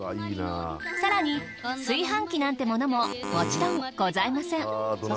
更に炊飯器なんてものももちろんございません。